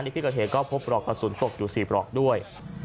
ที่เกิดเหตุก็พบปลอกกระสุนตกอยู่๔ปลอกด้วย